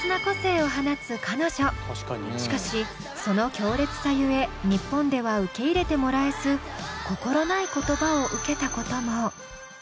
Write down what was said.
しかしその強烈さゆえ日本では受け入れてもらえず心ない言葉を受けたことも。